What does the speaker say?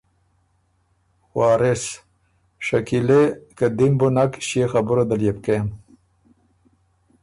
وارث: شکیلے! که دی م بُو نک ݭيې خبُره دل يې بو کېم